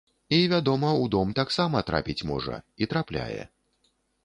І, вядома, у дом таксама трапіць можа, і трапляе.